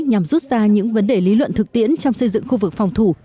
nhằm rút ra những vấn đề lý luận thực tiễn trong xây dựng khu vực phòng thủ